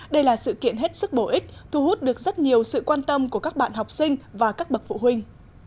đây là sự kiện hết sức bổ ích thu hút được rất nhiều sự quan tâm của các bạn học sinh và các bậc phụ huynh